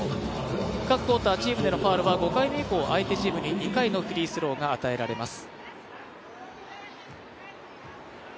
各クオーターチームでのファウルは５回目以降相手チームに２回のフリースローが与えられます